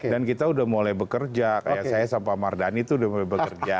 dan kita sudah mulai bekerja kayak saya sama pak mardani itu sudah mulai bekerja